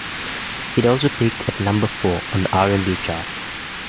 It also peaked at number four on the R and B chart.